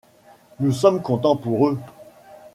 Nous sommes contents pour eux.